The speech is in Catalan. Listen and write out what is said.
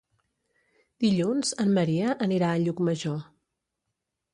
Dilluns en Maria anirà a Llucmajor.